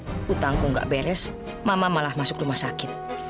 kalau utangku nggak beres mama malah masuk rumah sakit